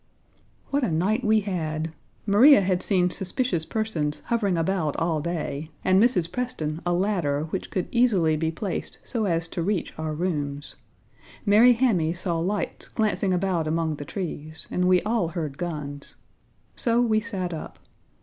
What a night we had! Maria had seen suspicious persons hovering about all day, and Mrs. Preston a ladder which could easily be placed so as to reach our rooms. Mary Hammy saw lights glancing about among the trees, and we all heard guns. So we sat up.